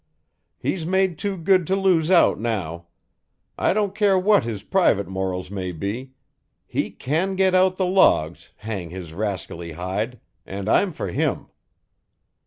He's made too good to lose out now. I don't care what his private morals may be. He CAN get out the logs, hang his rascally hide, and I'm for him."